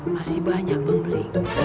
masih banyak bang beli